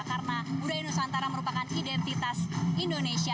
karena budaya nusantara merupakan identitas indonesia